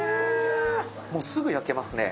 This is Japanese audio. もうすぐ焼けますね。